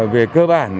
về cơ bản